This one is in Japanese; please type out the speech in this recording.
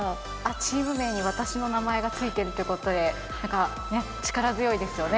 チーム名に私の名前が付いてるということでなんかね力強いですよね。